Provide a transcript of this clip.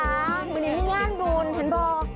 วันนี้ง่านบุญเห็นป่ะ